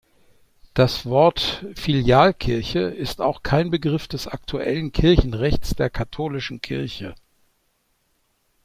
Das Wort ‚Filialkirche‘ ist auch kein Begriff des aktuellen Kirchenrechts der katholischen Kirche.